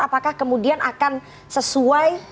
apakah kemudian akan sesuai